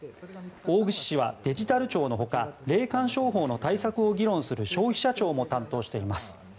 大串氏はデジタル庁のほか霊感商法の対策を議論する消費者庁も担当しています。